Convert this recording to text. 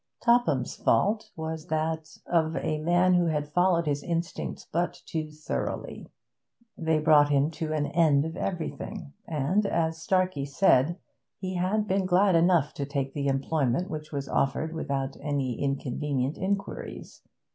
Topham's fault was that of a man who had followed his instincts but too thoroughly. They brought him to an end of everything, and, as Starkey said, he had been glad enough to take the employment which was offered without any inconvenient inquiries.